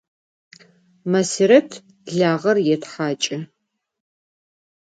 Masiret lağer yêthaç'ı.